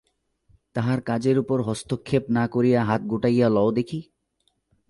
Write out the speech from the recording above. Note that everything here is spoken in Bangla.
তাহার কাজের উপর হস্তক্ষেপ না করিয়া হাত গুটাইয়া লও দেখি।